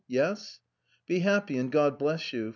Yes? " Be happy. God bless you.